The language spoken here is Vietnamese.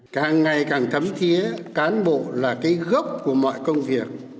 càng ngày càng thấm thiế cán bộ là cái gốc của mọi công việc